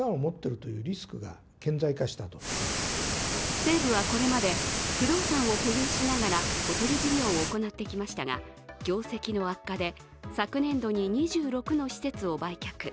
西武はこれまで、不動産を保有しながらホテル事業を行ってきましたが、業績の悪化で昨年度に２６の施設を売却。